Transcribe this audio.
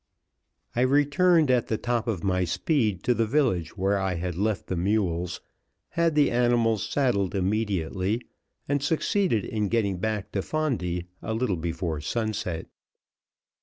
I RETURNED at the top of my speed to the village where I had left the mules, had the animals saddled immediately, and succeeded in getting back to Fondi a little before sunset.